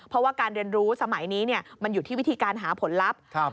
เพราะว่าการเรียนรู้สมัยนี้มันอยู่ที่วิธีการหาผลลัพธ์